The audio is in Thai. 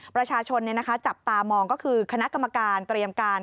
ประชาชนจับตามองก็คือคณะกรรมการเตรียมการ